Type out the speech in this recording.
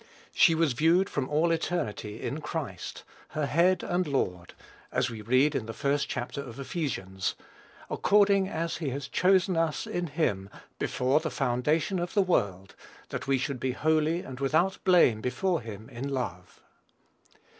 She was viewed from all eternity in Christ, her Head and Lord; as we read in the first chapter of Ephesians, "According as he hath chosen us in him, before the foundation of the world, that we should be holy and without blame before him in love."